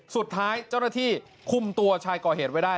สุดท้ายเจ้าหน้าที่คุมตัวชายก่อเหตุไว้ได้